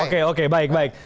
oke oke baik baik